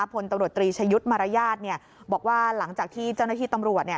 พลตำรวจตรีชะยุทธ์มารยาทเนี่ยบอกว่าหลังจากที่เจ้าหน้าที่ตำรวจเนี่ย